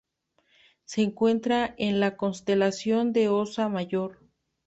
Se encuentra en la constelación de Osa Mayor.